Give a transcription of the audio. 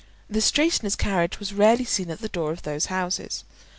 The straightener's carriage was rarely seen at the door of those houses.